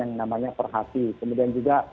yang namanya perhati kemudian juga